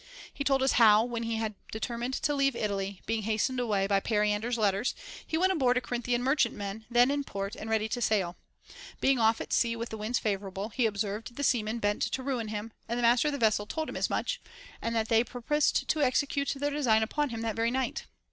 He told us how, when he had determined to leave Italy, being hastened away by Perian der's letters, he went aboard a Corinthian merchantman then in port and ready to sail ; being off at sea with the winds favorable, he observed the seamen bent to ruin him, and the master of the vessel told him as much, and that they purposed to execute their design upon him that very night.